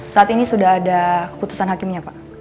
saat ini sudah ada keputusan hakimnya pak